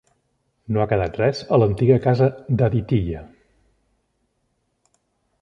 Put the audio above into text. No ha quedat res a l'antiga casa d'Aditya.